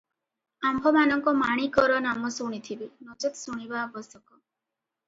ଆମ୍ଭମାନଙ୍କ ମାଣିକର ନାମ ଶୁଣିଥିବେ, ନଚେତ୍ ଶୁଣିବା ଆବଶ୍ୟକ ।